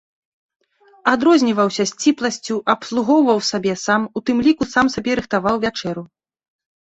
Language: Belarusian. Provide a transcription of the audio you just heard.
Адрозніваўся сціпласцю, абслугоўваў сабе сам, у тым ліку сам сабе рыхтаваў вячэру.